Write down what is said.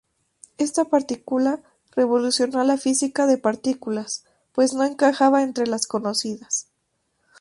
Esta partícula revolucionó la física de partículas, pues no encajaba entre las conocidas.